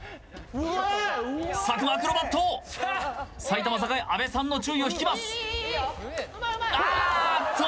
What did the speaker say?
佐久間アクロバット埼玉栄・阿部さんの注意を引きますあーっと！